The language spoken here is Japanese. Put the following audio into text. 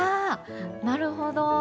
なるほど。